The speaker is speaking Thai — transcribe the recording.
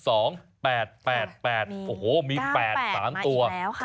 โอ้โหมี๘๓ตัว